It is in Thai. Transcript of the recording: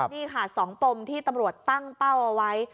นี่ค่ะ๒ปมที่ตำรวจตั้งเป้าเอาไว้